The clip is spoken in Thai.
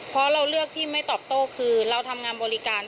เพราะเราเลือกที่ไม่ตอบโต้คือเราทำงานบริการ